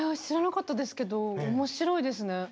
知らなかったですけど面白いですね。